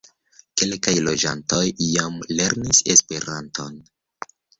Kelkaj loĝantoj jam lernis Esperanton.